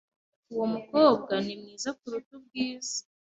Uwo mukobwa ni mwiza kuruta ubwiza.